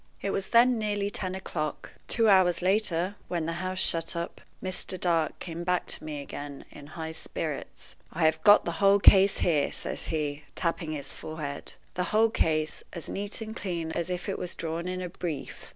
It was then nearly ten o'clock. Two hours later, when the house shut up, Mr. Dark came back to me again in high spirits. "I have got the whole case here," says he, tapping his forehead "the whole case, as neat and clean as if it was drawn in a brief.